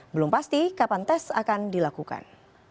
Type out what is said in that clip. belum pasti kapan tes akan dilakukan